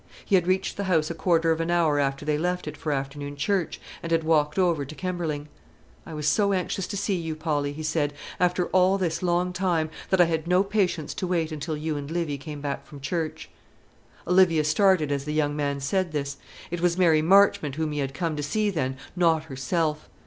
He had reached the house a quarter of an hour after they had left it for afternoon church, and had walked over to Kemberling. "I was so anxious to see you, Polly," he said, "after all this long time, that I had no patience to wait until you and Livy came back from church." Olivia started as the young man said this. It was Mary Marchmont whom he had come to see, then not herself.